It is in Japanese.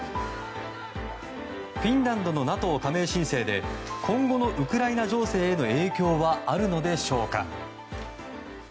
フィンランドのＮＡＴＯ加盟申請で今後のウクライナ情勢への影響はあるのでしょうか。